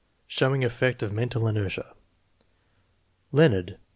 Showing effect of mental inertia. Leonard.